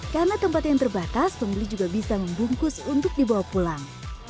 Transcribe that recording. karena tempat yang terbatas pembeli juga bisa membungkus untuk dibawa pulang